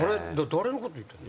誰のこと言ってんの？